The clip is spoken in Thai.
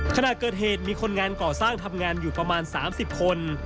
ขณะเกิดเหตุมีคนงานก่อสร้างทำงานอยู่ประมาณ๓๐คน